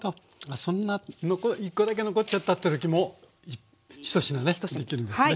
そんな１コだけ残っちゃったという時も１品ねできるんですね。